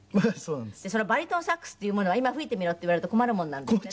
そのバリトンサックスっていうものは「今吹いてみろ」って言われると困るものなんですって？